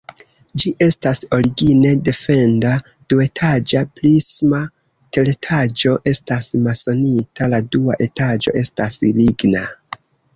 Ĝi estas origine defenda, duetaĝa, prisma, teretaĝo estas masonita, la dua etaĝo estas ligna.